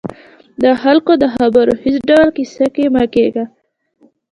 د خلکو د خبرو هېڅ ډول کیسه کې مه کېږئ